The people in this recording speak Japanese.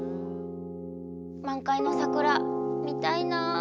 満開の桜見たいなあ。